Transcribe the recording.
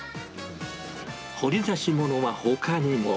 掘り出し物はほかにも。